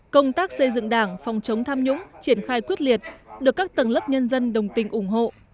công tác xây dựng đảng phòng chống tham nhũng triển khai quyết liệt được các tầng lớp nhân dân đồng tình ủng hộ